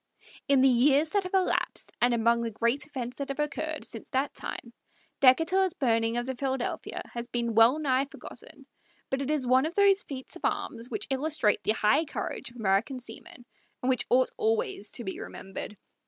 In the years that have elapsed, and among the great events that have occurred since that time, Decatur's burning of the Philadephia has been well nigh forgotten; but it is one of those feats of arms which illustrate the high courage of American seamen, and which ought always to be remembered.